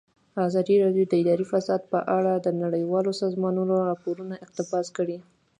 ازادي راډیو د اداري فساد په اړه د نړیوالو سازمانونو راپورونه اقتباس کړي.